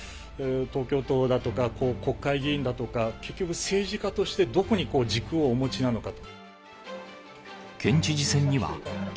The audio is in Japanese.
東京都だとか国会議員だとか、結局、政治家としてどこに軸をお持ちなのか。